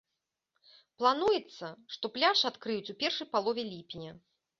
Плануецца, што пляж адкрыюць у першай палове ліпеня.